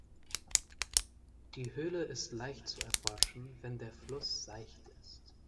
Die Höhle ist leicht zu erforschen, wenn der Fluss seicht ist.